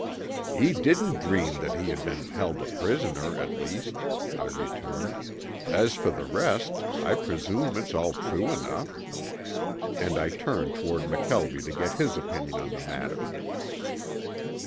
"He didn't dream that he had been held a prisoner, at least," I returned. "As for the rest, I presume it's all true enough," and I turned toward McKelvie to get his opinion in the matter.